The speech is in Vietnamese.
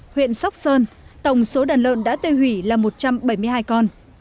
huyện sóc sơn tổng số đàn lợn đã tiêu hủy là một trăm bảy mươi hai con